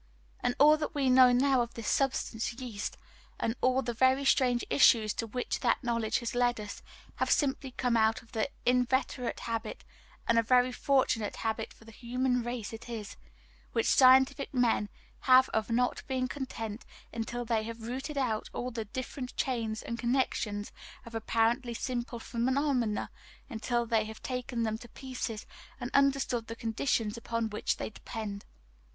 And all that we know now of this substance, yeast, and all the very strange issues to which that knowledge has led us, have simply come out of the inveterate habit, and a very fortunate habit for the human race it is, which scientific men have of not being content until they have routed out all the different chains and connections of apparently simple phenomena, until they have taken them to pieces and understood the conditions upon which they depend.